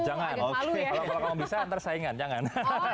kalau bisa antar saingan jangan